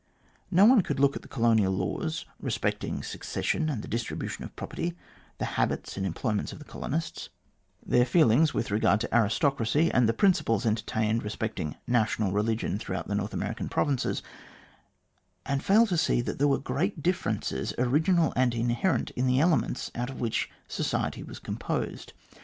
No one could look at the colonial laws respecting succession and the distribution of property, the habits and employments of the colonists, 230 THE GLADSTONE COLONY their feelings with regard to aristocracy, and the principles entertained respecting national religion throughout the North American provinces, and fail to see that there were great differences, original and inherent, in the elements out of which society was composed.